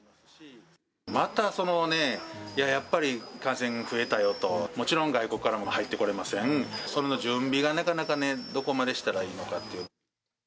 またそのね、いや、やっぱり感染増えたよと、もちろん外国からも入ってこれません、その準備がなかなかね、どこまでしたらいいのかっていう。